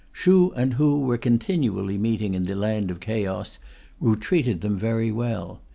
Shû and Hû were continually meeting in the land of Chaos, who treated them very well.